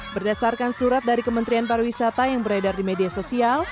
berdasarkan surat dari kementerian pariwisata yang beredar di media sosial